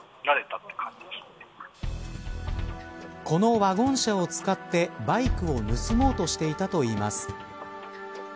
このワゴン車を使ってバイクを盗もうとしていたといいます。